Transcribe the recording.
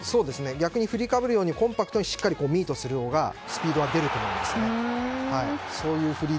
逆に振りかぶるようにコンパクトにミートするほうがスピードが出ると思います。